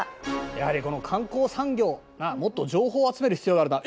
やはりこの観光産業もっと情報を集める必要があるな。